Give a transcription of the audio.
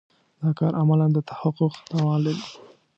دا کار عملاً د تحقق توان لري.